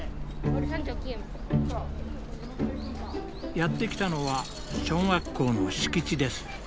やって来たのは小学校の敷地です。